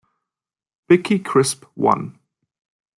Bicky Crisp won.